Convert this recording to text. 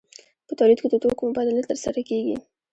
په تولید کې د توکو مبادله ترسره کیږي.